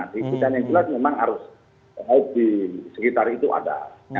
yang jelas memang arus laut di sekitar itu ada